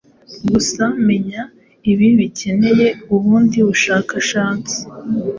Gusa menya ibi bikeneye ubundi bushakashatsi